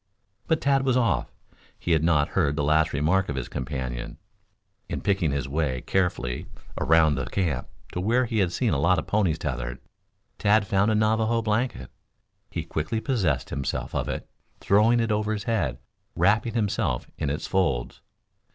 But Tad was off. He had not heard the last remark of his companion. In picking his way carefully around the camp to where he had seen a lot of ponies tethered, Tad found a Navajo blanket. He quickly possessed himself of it, throwing it over his head, wrapping himself in its folds.